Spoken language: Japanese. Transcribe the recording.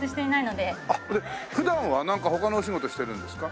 で普段はなんか他のお仕事してるんですか？